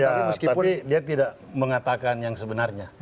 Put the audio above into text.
ya tapi dia tidak mengatakan yang sebenarnya